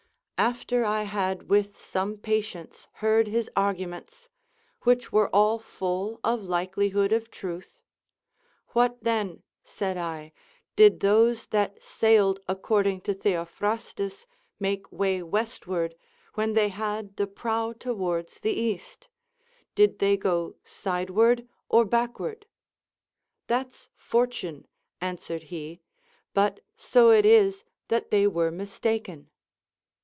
After I had with some patience heard his arguments, which were all full of likelihood of truth: "What, then," said I, "did those that sailed according to Theophrastus make way westward, when they had the prow towards the east? did they go sideward or backward?" "That's fortune," answered he, "but so it is that they were mistaken."